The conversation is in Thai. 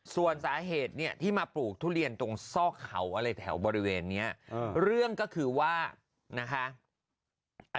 ส่วนสาเหตุเนี่ยที่มาปลูกทุเรียนตรงซอกเขาอะไรแถวบริเวณนี้เรื่องก็คือว่านะคะ